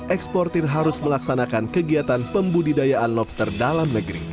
eksportir harus melaksanakan kegiatan pembudidayaan lobster dalam negeri